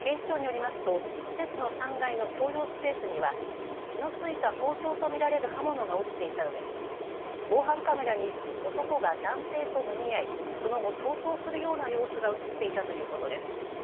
警視庁によりますと施設の３階の共用スペースには血の付いた包丁と見られる刃物が落ちていたうえ防犯カメラに男が男性ともみ合いその後、逃走するような様子が写っていたということです。